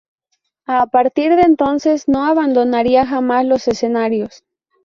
A partir de entonces, no abandonaría jamás los escenarios.